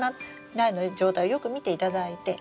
苗の状態をよく見ていただいてならす。